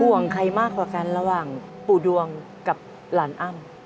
ใครมากกว่ากันระหว่างปู่ดวงกับหลานอ้ำ